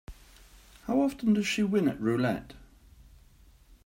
How often does she win at roulette?